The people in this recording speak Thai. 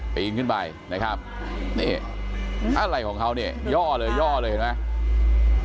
ปีนขึ้นไปนะครับนี่อะไรของเขาเนี่ยย่อเลยย่อเลยเห็นไหม